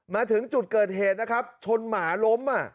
มาถึงจุดเกิดเหตุนะครับชนหมาล้ม